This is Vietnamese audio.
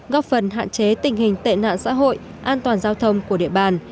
góp phần hạn chế tình hình tệ nạn xã hội an toàn giao thông của địa bàn